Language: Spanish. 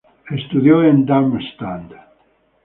Estudió en Darmstadt.